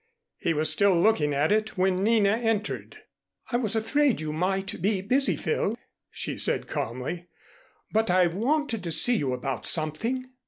He was still looking at it when Nina entered. "I was afraid you might be busy, Phil," she said calmly, "but I wanted to see you about something."